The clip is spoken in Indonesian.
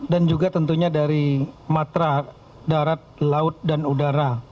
dan juga tentunya dari matra darat laut dan udara